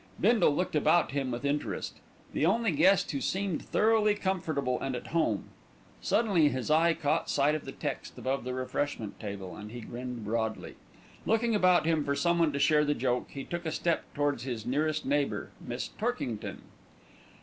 Bindle looked about him with interest, the only guest who seemed thoroughly comfortable and at home. Suddenly his eye caught sight of the text above the refreshment table, and he grinned broadly. Looking about him for someone to share the joke, he took a step towards his nearest neighbour, Miss Torkington.